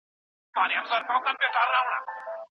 ستاسو په ذهن کي به د ښو کارونو لیوالتیا وي.